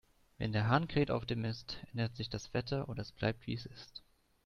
Wenn der Hahn kräht auf dem Mist, ändert sich das Wetter, oder es bleibt, wie es ist.